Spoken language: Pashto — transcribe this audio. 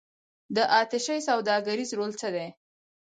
د اتشې سوداګریز رول څه دی؟